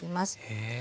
へえ。